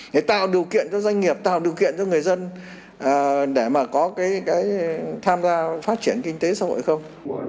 để tạo điều kiện cho doanh nghiệp tạo điều kiện cho người dân để mà có cái tham gia phát triển kinh tế xã hội hay không